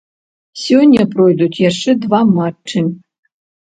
Сёння пройдуць яшчэ два матчы.